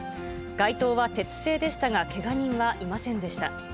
街灯は鉄製でしたが、けが人はいませんでした。